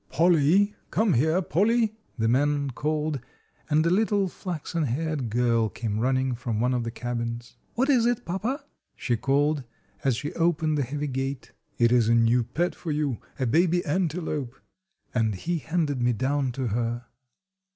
"Polly! Come here, Polly!" the man called, and a little flaxen haired girl came running from one of the cabins. "What is it, papa?" she called, as she opened the heavy gate. "It is a new pet for you—a baby antelope," and he handed me down to her.